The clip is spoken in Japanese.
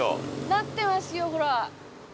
なってますよほら。